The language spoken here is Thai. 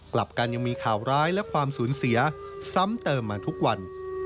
กลับกันยังมีข่าวร้ายและความสูญเสียซ้ำเติมมาทุกวัน